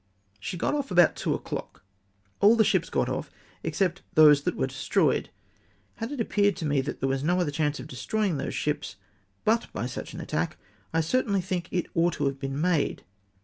She got off about two o'clock ; cdl the ships got off, except those that ivere destroyed. Had it ap peared to me that there was no other chance of destroying those ships but by such an attack, I certainly think it OUGHT TO HAVE BEEN MADE.